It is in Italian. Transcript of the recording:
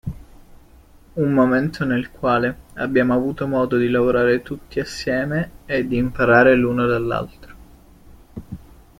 Un momento nel quale abbiamo avuto modo di lavorare tutti assieme e di imparare l'uno dall'altro.